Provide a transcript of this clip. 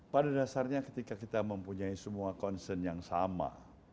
pada dasarnya ketika kita mempunyai semua concern yang sama